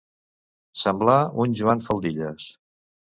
Semblar un Joan faldilles.